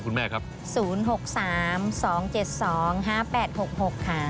คุณแม่ครับ๐๖๓๒๗๒๕๘๖๖ค่ะ